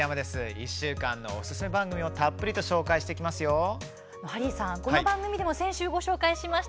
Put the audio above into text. １週間のおすすめ番組をたっぷり紹介します。